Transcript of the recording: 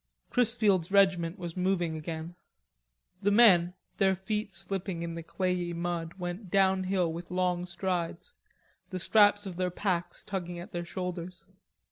Chrisfield's regiment was moving again. The men, their feet slipping in the clayey mud, went downhill with long strides, the straps of their packs tugging at their shoulders.